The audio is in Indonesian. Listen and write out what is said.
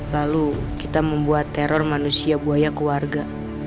lalu kita membuat teror manusia buaya keluarga